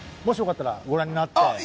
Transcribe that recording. もしよかったらご覧になって。